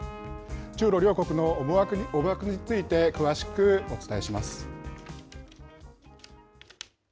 中ロ両国の思惑について詳しくお伝えします。